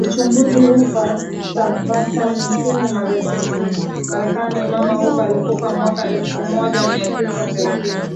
uchunguzi Hoover subversion nchini Marekanimama Hoover alikufa mwaka elfu moja mia tisa thelathini